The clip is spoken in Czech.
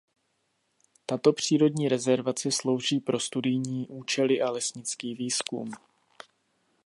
Tato přírodní rezervace slouží pro studijní účely a lesnický výzkum.